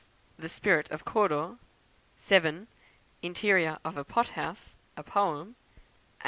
The Spirit of Cawdor; 7. Interior of a Pothouse, a Poem; 8.